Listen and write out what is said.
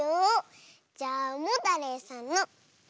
じゃあモタレイさんの「イ」。